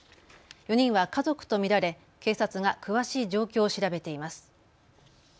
４人は家族と見られ警察が詳しい状況を調べています。